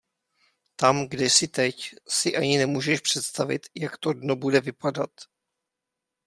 Tam, kde jsi teď, si ani nemůžeš představit, jak to dno bude vypadat.